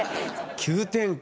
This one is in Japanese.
急展開。